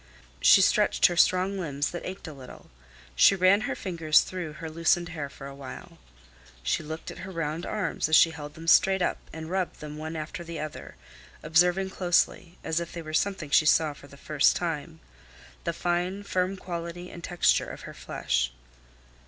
She stretched her strong limbs that ached a little. She ran her fingers through her loosened hair for a while. She looked at her round arms as she held them straight up and rubbed them one after the other, observing closely, as if it were something she saw for the first time, the fine, firm quality and texture of her flesh.